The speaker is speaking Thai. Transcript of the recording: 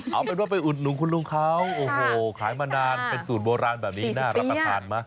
เอาเป็นว่าไปอุดหนุนคุณลุงเขาโอ้โหขายมานานเป็นสูตรโบราณแบบนี้น่ารับประทานมั้